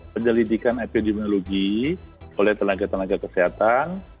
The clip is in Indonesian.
penyelidikan epidemiologi oleh tenaga tenaga kesehatan